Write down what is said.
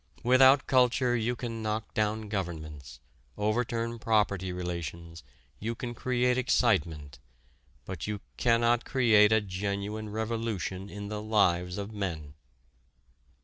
Without culture you can knock down governments, overturn property relations, you can create excitement, but you cannot create a genuine revolution in the lives of men."